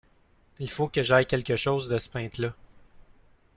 Il faut que j’aie quelque chose de ce peintre-là.